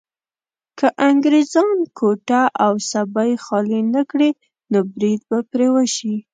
که انګريزان کوټه او سبۍ خالي نه کړي نو بريد به پرې وشي.